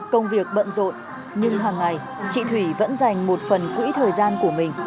công việc bận rộn nhưng hàng ngày chị thủy vẫn dành một phần quỹ thời gian của mình